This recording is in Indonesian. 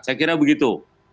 saya kira begitu